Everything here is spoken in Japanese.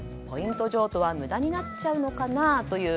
ポイント譲渡は無駄になっちゃうのかな。」